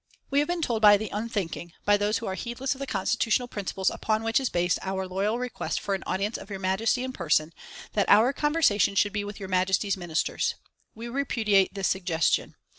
"We have been told by the unthinking by those who are heedless of the constitutional principles upon which is based our loyal request for an audience of Your Majesty in person that our conversation should be with Your Majesty's Ministers. "We repudiate this suggestion.